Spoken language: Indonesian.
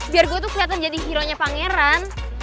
biar gue tuh keliatan jadi hero nya pangeran